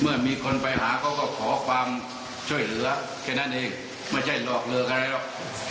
เมื่อมีคนไปหาเขาก็ขอความช่วยเหลือแค่นั้นเองไม่ใช่หลอกเลิกอะไรหรอก